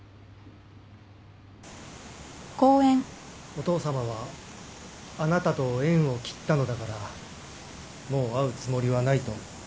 お父さまはあなたと縁を切ったのだからもう会うつもりはないとおっしゃってます。